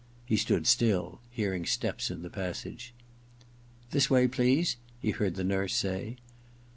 He stood still, hearing steps in the passage. * This way, please,* he heard the nurse say.